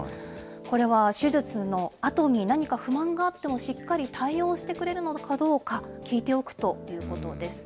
これは、手術のあとに何か不満があっても、しっかり対応してくれるのかどうか、聞いておくということです。